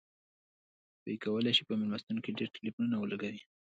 دوی کولی شي په میلمستون کې ډیر ټیلیفونونه ولګوي